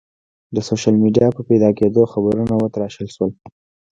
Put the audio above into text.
د سوشل میډیا په پیدا کېدو خبرونه وتراشل شول.